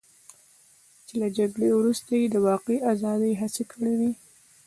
چې له جګړې وروسته یې د واقعي ازادۍ هڅې کړې وې.